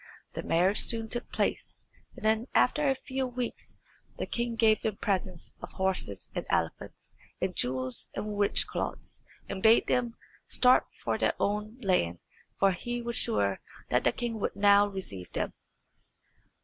The marriage soon took place, and then after a few weeks the king gave them presents of horses and elephants, and jewels and rich cloths, and bade them start for their own land; for he was sure that the king would now receive them.